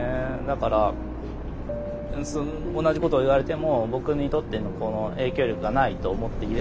だから同じことを言われても僕にとってのこの影響力がないと思っていれば大丈夫だし。